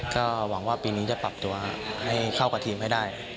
ก็หวังว่าปีนี้จะปรับตัวให้เข้ากับทีมให้ได้